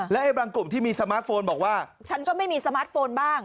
และบางกลุ่มที่มีสมาร์ทโฟนบอกว่าฉันก็ไม่มีสมาร์ทโฟนบ้าง